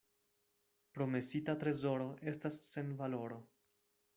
Promesita trezoro estas sen valoro.